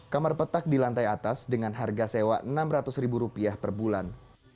kamar petak di lantai atas dengan harga sewa rp enam ratus per bulan